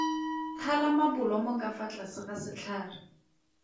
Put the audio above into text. Thala mabolomo ka fa tlase ga setlhare.